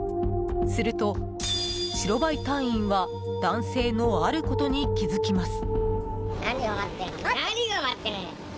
すると、白バイ隊員は男性のあることに気づきます。